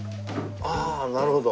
あっなるほど。